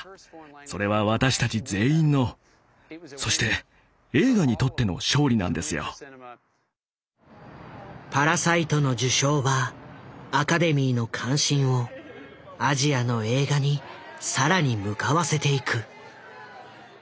それは私たち全員のそして「パラサイト」の受賞はアカデミーの関心をアジアの映画に更に向かわせていく。